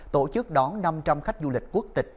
tổ chức đón năm trăm linh khách du lịch quốc tịch